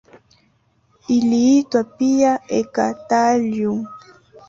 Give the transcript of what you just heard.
Iliitwa pia eka-thallium.